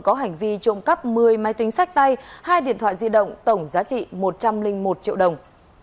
có hành vi trộm cắp một mươi máy tính sách tay hai điện thoại di động tổng giá trị một trăm linh một triệu đồng